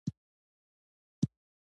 بېنډۍ د سابو ملکانه ده